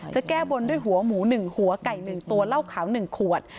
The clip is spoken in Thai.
จะแก้บนด้วยหัวหมูหนึ่งหัวไก่หนึ่งตัวเหล้าขาวหนึ่งขวด